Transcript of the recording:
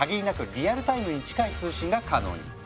リアルタイムに近い通信が可能に。